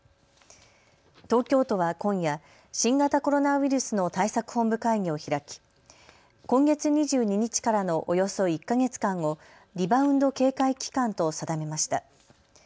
東京都は今夜、新型コロナウイルスの対策本部会議を開き今月２２日からのおよそ１か月間をリバウンド警戒期間と定めました。